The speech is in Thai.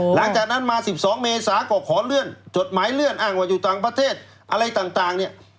หลังจากนั้นมา๑๒เมษาก็ขอเลื่อนจดหมายเลื่อนอ้างว่าอยู่ต่างประเทศอะไรต่างเนี่ย